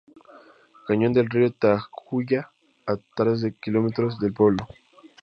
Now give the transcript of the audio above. Cañón del río Tajuña, a tres kilómetros del pueblo.